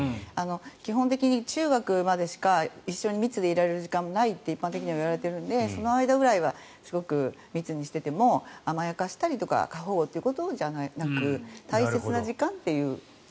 基本的に中学までしか一緒に密でいられる時間もないって一般的には言われているのでその間くらいは密にしてても甘やかしたりとか過保護ということじゃなく大切な時間という。